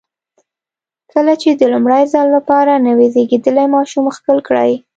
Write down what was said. کله چې د لومړي ځل لپاره نوی زېږېدلی ماشوم ښکل کړئ.